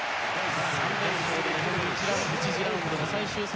３連勝で臨む１次ラウンドの最終戦。